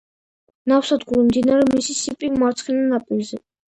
ნავსადგური მდინარე მისისიპი მარცხენა ნაპირზე.